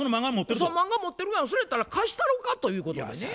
そう「漫画持ってるわそれやったら貸したろか」ということでね。